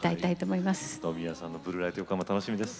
野宮さんの「ブルー・ライト・ヨコハマ」楽しみです。